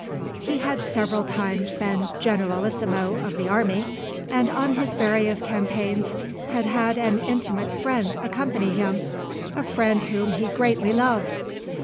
He had several times been generalissimo of the army, and on his various campaigns had had an intimate friend accompany him, a friend whom he greatly loved.